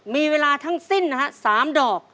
มีเวลาทั้งสิ้นนะฮะ๓ดอก